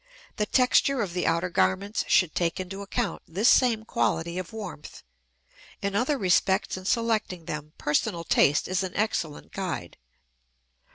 The texture of the outer garments should take into account this same quality of warmth; in other respects in selecting them personal taste is an excellent guide.